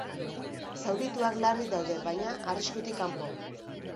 Zaurituak larri daude baina arriskutik kanpo.